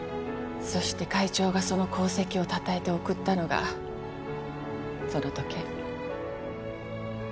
そして会長がその功績をたたえて贈ったのがその時計。